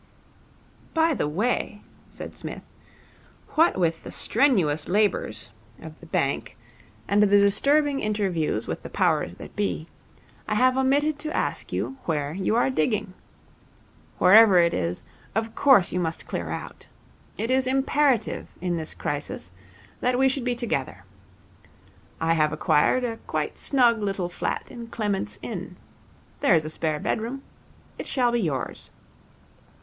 'By the way,' said Psmith, 'what with the strenuous labours of the bank and the disturbing interviews with the powers that be, I have omitted to ask you where you are digging. Wherever it is, of course you must clear out. It is imperative, in this crisis, that we should be together. I have acquired a quite snug little flat in Clement's Inn. There is a spare bedroom. It shall be yours.'